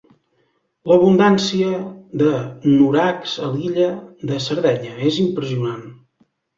L'abundància de nurags a l'illa de Sardenya és impressionant.